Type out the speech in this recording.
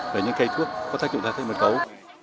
về những cây thuốc có tác dụng thay thế mất gấu